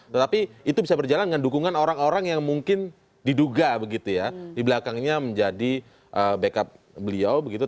tetapi itu bisa berjalan dengan dukungan orang orang yang mungkin diduga begitu ya di belakangnya menjadi backup beliau begitu